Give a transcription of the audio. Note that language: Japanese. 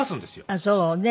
あっそうね。